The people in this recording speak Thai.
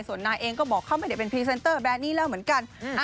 ส่วนนายเองก็บอกเขาไม่ได้เป็นพรีเซนเตอร์แบรนดนี้แล้วเหมือนกัน